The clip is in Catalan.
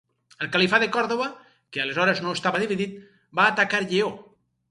El califat de Còrdova, que aleshores no estava dividit, va atacar Lleó.